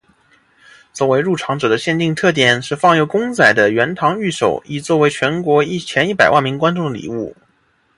作为入场者的限定特典是放有公仔的圆堂御守以作为全国前一百万名观众的礼物。